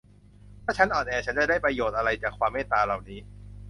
ถ้าฉันอ่อนแอ ฉันจะได้ประโยชน์อะไรจากความเมตตาเหล่านี้